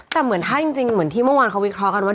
แต่เหมือนถ้าจริงเหมือนที่เมื่อวานเขาวิเคราะห์กันว่า